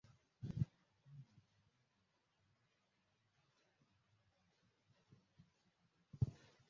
Kusanya vimengenywa loweka vimengenywa kwenye maji ya kawaida kwa muda wa siku nzima